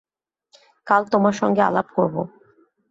কাল তোমার সঙ্গে আলাপ করব।